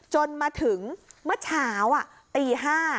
จนมาถึงเมื่อเช้าตี๕